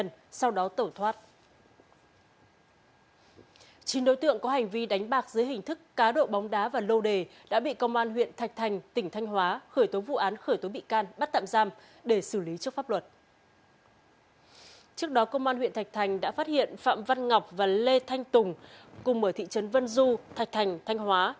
trước đó công an huyện thạch thành đã phát hiện phạm văn ngọc và lê thanh tùng cùng mở thị trấn vân du thạch thành thanh hóa